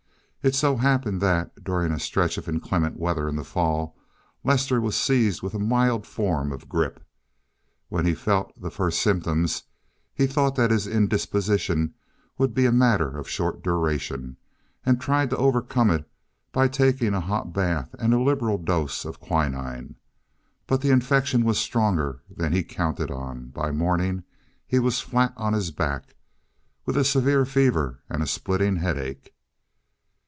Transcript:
It so happened that, during a stretch of inclement weather in the fall, Lester was seized with a mild form of grip. When he felt the first symptoms he thought that his indisposition would be a matter of short duration, and tried to overcome it by taking a hot bath and a liberal dose of quinine. But the infection was stronger than he counted on; by morning he was flat on his back, with a severe fever and a splitting headache.